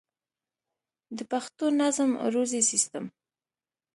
د پښتو نظم عروضي سيسټم